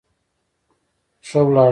ښه ولاړاست.